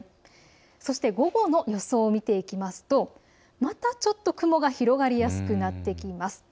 そして午後の予想を見ていきますとまた、ちょっと雲が広がりやすくなってきます。